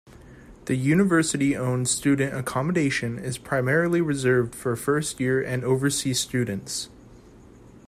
The university-owned student accommodation is primarily reserved for first year and overseas students.